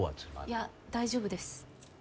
いや大丈夫です。